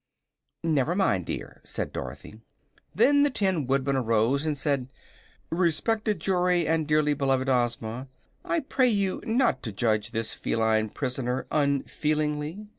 "Never mind, dear," said Dorothy. Then the Tin Woodman arose and said: "Respected Jury and dearly beloved Ozma, I pray you not to judge this feline prisoner unfeelingly.